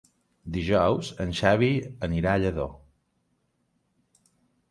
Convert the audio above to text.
Dijous en Xavi anirà a Lladó.